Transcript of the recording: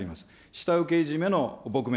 下請けいじめの撲滅。